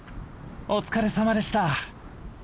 お疲れさまでした。